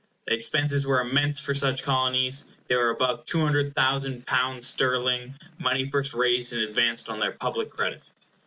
The expenses were immense for such Colonies. They were above £200,000 sterling; money first raised and advanced on their public credit.